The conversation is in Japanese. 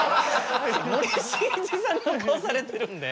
森進一さんの顔されてるんで。